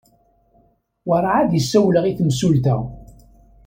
Urɛad i sawleɣ i temsulta.